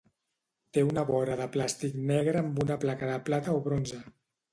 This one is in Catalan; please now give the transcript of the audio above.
Té una vora de plàstic negre amb una placa de plata o bronze.